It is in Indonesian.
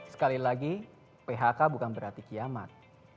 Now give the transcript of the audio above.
sekali lagi phk bukan berarti kiamat